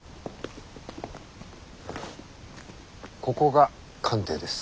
ここが官邸です。